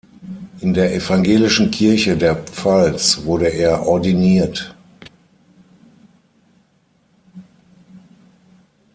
In der Evangelischen Kirche der Pfalz wurde er ordiniert.